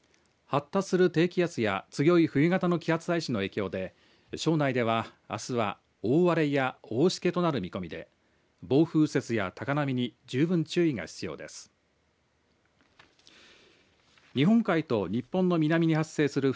発達する低気圧や強い冬型の気圧配置の影響で庄内では、あすは大荒れや大しけとなる見込みで暴風雪や高波に十分注意が必要です。